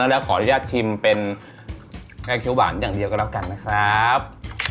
แล้วขออนุญาตชิมเป็นแกงเขียวหวานอย่างเดียวกันแล้วกันนะครับ